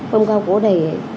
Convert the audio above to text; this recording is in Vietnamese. mâm cao cỗ đầy